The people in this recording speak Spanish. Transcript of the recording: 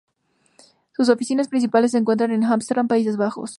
Sus oficinas principales se encuentran en Ámsterdam, Países Bajos.